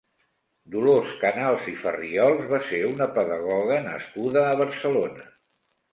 Dolors Canals i Farriols va ser una pedagoga nascuda a Barcelona.